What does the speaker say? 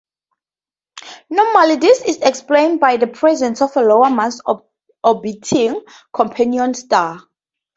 Normally this is explained by the presence of a lower mass orbiting companion star.